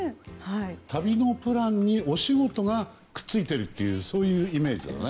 旅のプランにお仕事がくっついているというそういうイメージなのね。